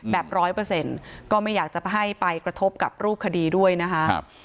แบบ๑๐๐ก็ไม่อยากจะให้ไปกระทบกับรูปคดีด้วยนะคะ